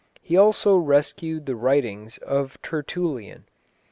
He also rescued the writings of Tertullian.